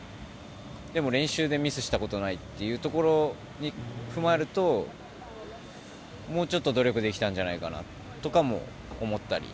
でも、練習でミスしたことないというところを踏まえるともうちょっと努力できたんじゃないかなとも思ったり。